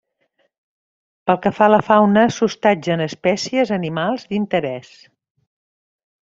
Pel que fa a la fauna s'hostatgen espècies animals d'interès.